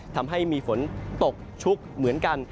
ทำให้มีฝนตกชุกเหมือนกัน